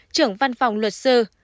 trưởng văn phòng luật sư